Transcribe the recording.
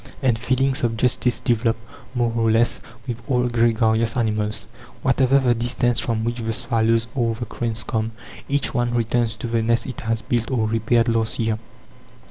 And feelings of justice develop, more or less, with all gregarious animals. Whatever the distance from which the swallows or the cranes come, each one returns to the nest it has built or repaired last year.